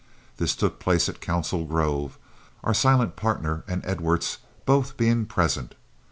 This took place at Council Grove, our silent partner and Edwards both being present.